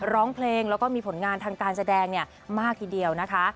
ร้องเพลงแล้วก็มีผลงานทางการแสดงมากทีเดียวนะคะ